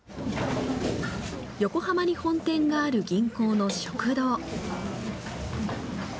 横浜に本店がある銀行の食堂。